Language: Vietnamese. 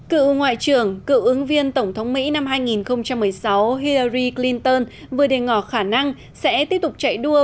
cựu ngoại trưởng cựu ứng viên tổng thống mỹ năm hai nghìn một mươi sáu hierry clinton vừa đề ngỏ khả năng sẽ tiếp tục chạy đua